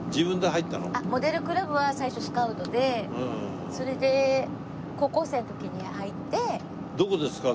モデルクラブは最初スカウトでそれで高校生の時に入って。